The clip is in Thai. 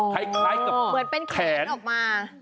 เหมือนเป็นแขนออกมา